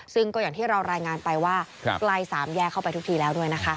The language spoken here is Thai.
ซึ่งก็อย่างที่เรารายงานไปว่าไกล๓แย่เข้าไปทุกทีแล้ว